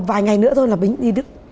vài ngày nữa thôi là mình đi đức